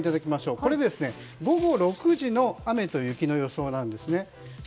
これ、午後６時の雨と雪の予想なんですね。